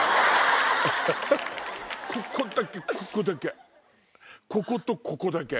ここだけここだけ！